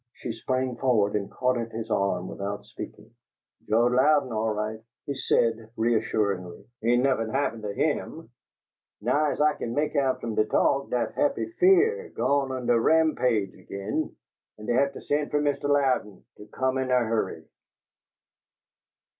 She sprang forward and caught at his arm without speaking. "Joe Louden all right," he said, reassuringly. "Ain' nuffum happen to him! Nigh as I kin mek out f'm de TALK, dat Happy Fear gone on de ramPAGE ag'in, an' dey hatta sent fer Mist' Louden to come in a hurry."